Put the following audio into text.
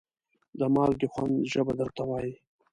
د مالګې خوند ژبه درته وایي.